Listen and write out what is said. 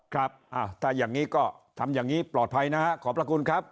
ครับถ้าอย่างนี้ก็ทำอย่างนี้ปลอดภัยนะฮะขอบพระคุณครับ